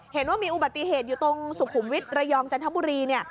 เห็นว่ามีอุบัติเหตุอยู่ตรงสุขุมวิทย์ระยองจันทบุรีเนี่ย